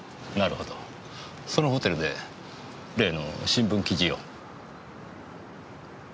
なるほどそのホテルで例の新聞記事を？